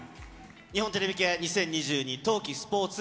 日本テレビ系２０２２冬季スポーツ